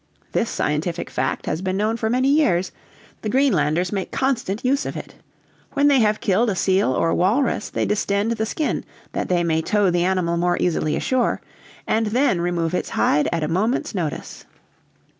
This scientific fact has been known for many years; the Greenlanders make constant use of it; when they have killed a seal or walrus, they distend the skin that they may tow the animal more easily ashore, and then remove its hide at a moment's notice."